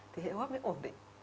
thì hệ hô hốp mới ổn định